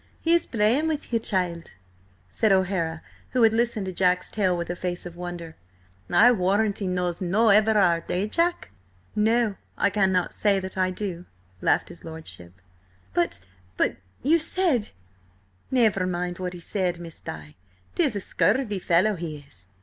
"He is playing with ye, child," said O'Hara, who had listened to Jack's tale with a face of wonder. "I warrant he knows no Everard–eh, Jack?" "No, I cannot say that I do," laughed his lordship. "But–but–you said—" "Never mind what he said, Miss Di. 'Tis a scurvy fellow he is."